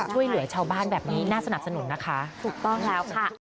ช่วยเหลือชาวบ้านแบบนี้น่าสนับสนุนนะคะถูกต้องแล้วค่ะ